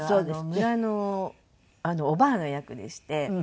村のおばぁの役でして。